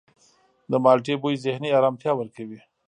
د مالټې بوی ذهني آرامتیا ورکوي.